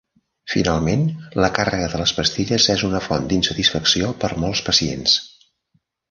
Finalment, la càrrega de les pastilles és una font d'insatisfacció per molts pacients.